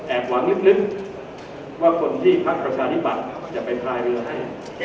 หวังลึกว่าคนที่พักประชาธิปัตย์จะไปพายเรือนั้น